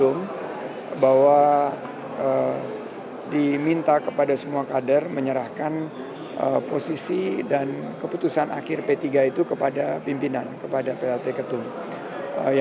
untuk empat dan untuk perbaikan pemilu ke depan proses demokrasi dan lain sebagainya itu akan ditentukan di tahapan tahapan selanjutnya